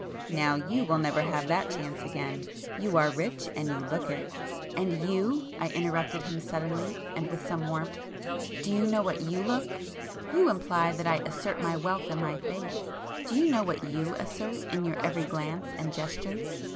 Now you will never have that chance again;—you are rich and you look it!" "And you,—" I interrupted him suddenly, and with some warmth—"do you know what you look? You imply that I assert my wealth in my face; do you know what you assert in your every glance and gesture?"